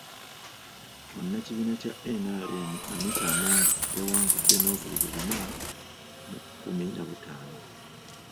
Munnakibiina kya NRM, Anita Among yawangude n’obululu bina mu kkumi na butaano.